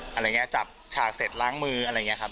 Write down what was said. อะไรอย่างนี้จับฉากเสร็จล้างมืออะไรอย่างนี้ครับ